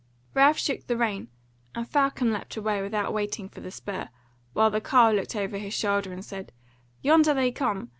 Ralph shook the rein and Falcon leapt away without waiting for the spur, while the carle looked over his shoulder and said, "Yonder they come!